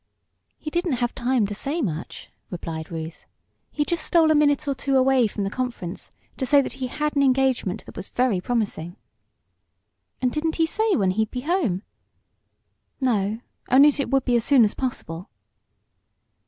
"He didn't have time to say much," replied Ruth. "He just stole a minute or two away from the conference to say that he had an engagement that was very promising." "And didn't he say when he'd be home?" "No, only that it would be as soon as possible."